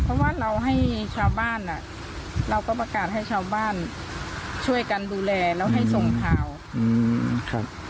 เพราะว่าเราให้ชาวบ้านอ่ะเราก็ประกาศให้ชาวบ้านช่วยกันดูแลแล้วให้ส่งข่าวครับ